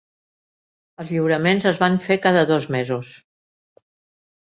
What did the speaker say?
Els lliuraments es van fer cada dos mesos.